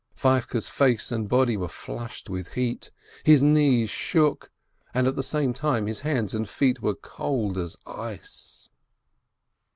Feivke's face and body were flushed with heat, his knees shook, and at the same time his hands and feet were cold as ice.